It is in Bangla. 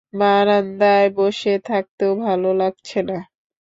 বারান্দায় বসে থাকতেও ভালো লাগছে না।